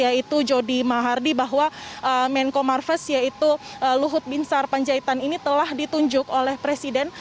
yaitu jody mahardi bahwa menko marves yaitu luhut binsar panjaitan ini telah ditunjuk oleh presiden